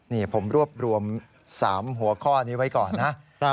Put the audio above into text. นี่ผมรวบรวม๓หัวข้อนี้ไว้ก่อนนะ